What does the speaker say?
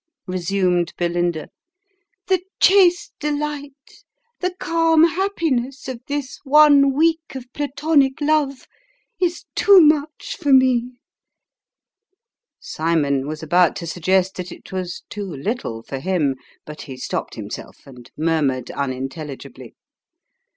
" resumed Belinda, " the chaste delight, the calm happiness, of this one week of Platonic love, is too much for me !" Cymon was about to suggest that it was too little for him, but he stopped himself, and murmured unintelligibly.